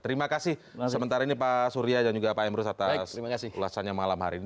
terima kasih sementara ini pak surya dan juga pak emrus atas ulasannya malam hari ini